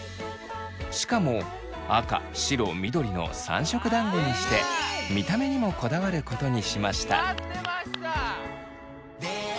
しかも赤白緑の３色だんごにして見た目にもこだわることにしました。